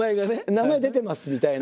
「名前出てます」みたいな。